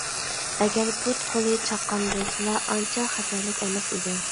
ئەگەر پۇت-قولى چاققان بولسىلا ئانچە خەتەرلىك ئەمەس ئىدى.